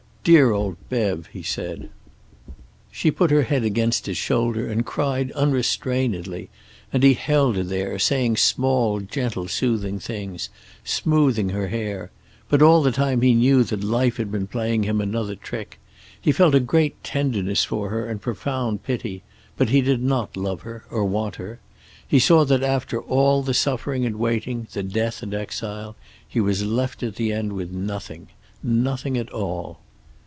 "Dear old Bev!" he said. She put her head against his shoulder, and cried unrestrainedly; and he held her there, saying small, gentle, soothing things, smoothing her hair. But all the time he knew that life had been playing him another trick; he felt a great tenderness for her and profound pity, but he did not love her, or want her. He saw that after all the suffering and waiting, the death and exile, he was left at the end with nothing. Nothing at all.